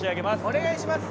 お願いします。